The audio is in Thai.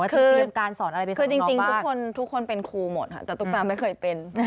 คือจริงทุกคนเป็นครูหมดค่ะแต่ตุ๊กตาไม่เคยเป็น